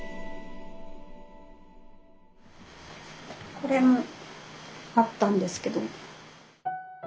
これもあったんですけど。